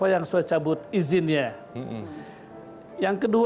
ini tugas utama dari satgas itu